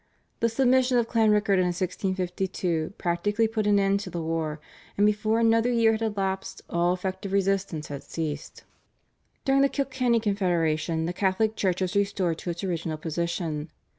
The submission of Clanrickard in 1652 practically put an end to the war, and before another year had elapsed all effective resistance had ceased. During the Kilkenny Confederation the Catholic Church was restored to its original position.